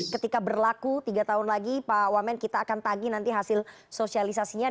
ketika berlaku tiga tahun lagi pak wamen kita akan tagih nanti hasil sosialisasinya